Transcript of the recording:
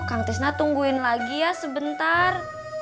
kang tisna tungguin lagi ya sebentar